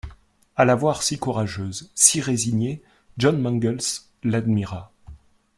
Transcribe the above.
À la voir si courageuse, si résignée, John Mangles l’admira.